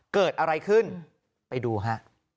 เกิดอะไรขึ้นไปดูฮะ